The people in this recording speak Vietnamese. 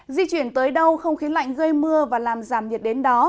di chuyển tới đâu không khí lạnh gây mưa và làm giảm nhiệt đến đó